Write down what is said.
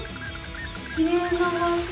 きれいな場しょ！